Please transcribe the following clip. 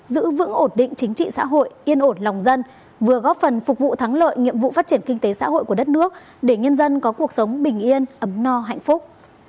giữ vững ổn định chính trị xã hội yên ổn lòng dân vừa góp phần phục vụ thắng lợi nhiệm vụ phát triển kinh tế xã hội của đất nước để nhân dân có cuộc sống bình yên ấm no hạnh phúc